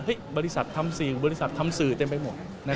บริษัททำ๔บริษัททำสื่อเต็มไปหมด